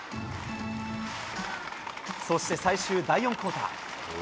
そして最終第４クオーター。